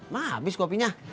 mah habis kopinya